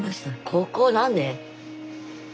ここ何年？